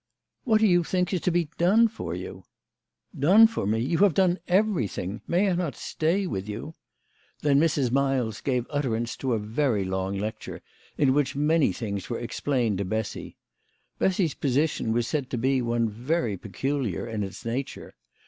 " What do you think is to be done for you ?"" Done for me ! You have done everything. May I not stay with you ?" Then Mrs. Miles gave utterance to a very long lecture, in which many things were explained to Bessy. Bessy's position was said to be one very peculiar in its nature.